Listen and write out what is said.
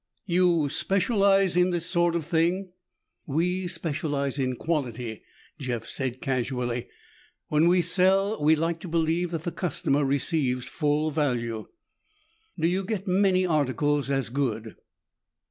"You specialize in this sort of thing?" "We specialize in quality," Jeff said casually. "When we sell, we like to believe that the customer receives full value." "Do you get many articles as good?"